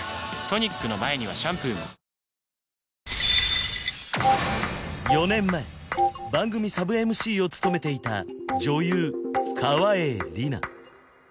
トニックの前にはシャンプーも４年前番組サブＭＣを務めていた女優川栄李奈